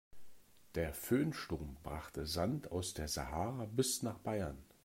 Der Föhnsturm brachte Sand aus der Sahara bis nach Bayern.